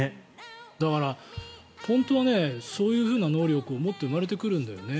だから、本当はそういう能力を持って生まれてくるんだよね。